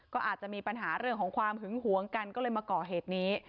ก็อาจจะมีปัญหาเรื่องของความหึงหวงกันก็เลยมาก่อเหตุนี้